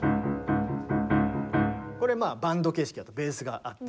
これ、バンド形式だとベースがあって。